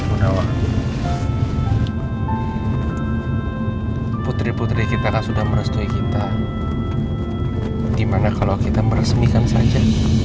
putri putri kita sudah merestui kita dimana kalau kita meresmikan saja